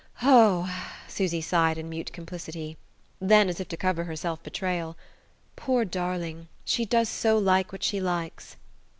"Oh," Susy sighed in mute complicity; then, as if to cover her self betrayal: "Poor darling, she does so like what she likes!"